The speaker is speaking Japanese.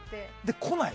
来ない。